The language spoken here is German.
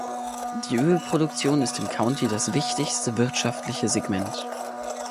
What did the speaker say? Die Ölproduktion ist im County das wichtigste wirtschaftliche Segment.